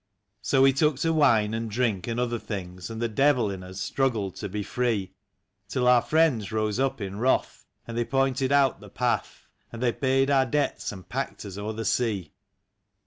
So we took to wine and drink and other things, And the devil in us struggled to be free; Till our friends rose up in wrath, and they pointed out the path. And they paid our debts and packed us o'er the sea.